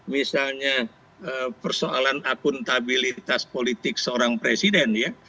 misalnya persoalan akuntabilitas politik seorang presiden ya